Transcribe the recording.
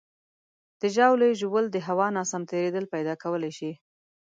د ژاولې ژوول د هوا ناسم تېرېدل پیدا کولی شي.